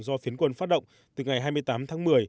lực lượng phiến quân phát động từ ngày hai mươi tám tháng một mươi